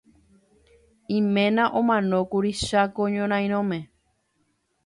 Iména omanókuri Cháko ñorairõme.